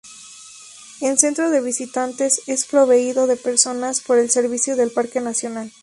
Un centro de visitantes es proveído de personal por el servicio del Parque Nacional.